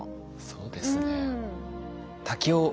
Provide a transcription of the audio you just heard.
そうですね。